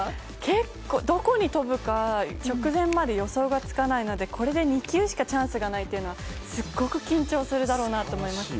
結構、どこに飛ぶか直前まで予想がつかないのでこれで２球しかチャンスがないのはすごく緊張するだろうなと思いました。